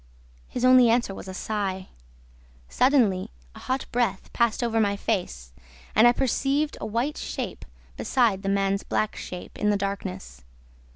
His only answer was a sigh. Suddenly, a hot breath passed over my face and I perceived a white shape, beside the man's black shape, in the darkness.